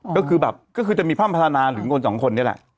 ก็คือแบบก็คือจะมีพร่ำพัฒนาหรือคนสองคนนี่แหละ